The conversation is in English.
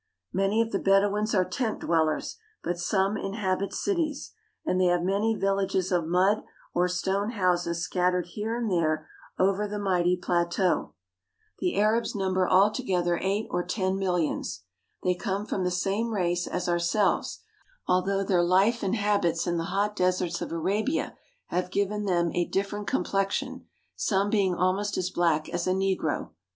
Many of the Bedouins are tent dwellers, but some inhabit cities, and they have many villages of mud or stone houses scattered here and there over the mighty plateau. The Arabs number all together eight or ten millions. They come from the same race as ourselves, although their life and habits in the hot deserts of Arabia have given them a different complexion, some being almost as black as a negro.